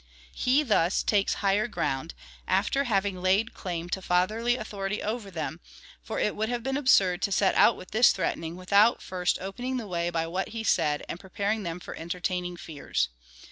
He thus takes higher ground, after having laid claim to fatherly authority over them, for it would have been absurd to set out wdth this threatening, without first opening up the way by what he said, and pre paring them for entertaining fears.